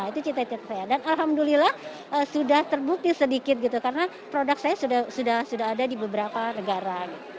itu cita cita saya dan alhamdulillah sudah terbukti sedikit gitu karena produk saya sudah ada di beberapa negara